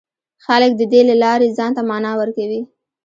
خلک د دې له لارې ځان ته مانا ورکوي.